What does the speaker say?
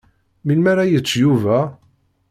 Melmi ara yečč Yuba?